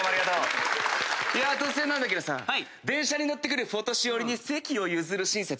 突然なんだけど電車に乗ってくるフォ年寄りに席を譲る親切。